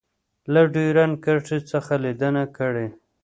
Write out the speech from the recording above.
له ډیورنډ کرښې څخه لیدنه کړې